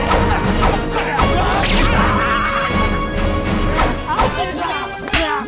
akan termasuk di depan bumi dia